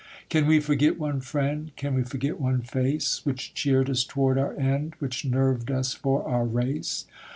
Can we forget one friend, Can we forget one face, Which cheered us toward our end, Which nerved us for our race?